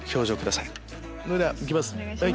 それでは行きます。